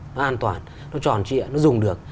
nó an toàn nó tròn trịa nó dùng được